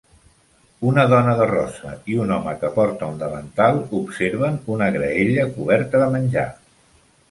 Una dona de rosa i un home que porta un davantal, observen una graella coberta de menjar.